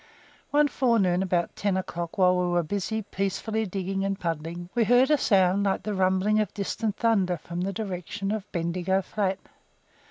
One forenoon, about ten o'clock, while we were busy, peacefully digging and puddling, we heard a sound like the rumbling of distant thunder from the direction of Bendigo flat.